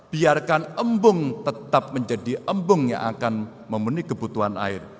biarkan embung tetap menjadi embung yang akan memenuhi kebutuhan air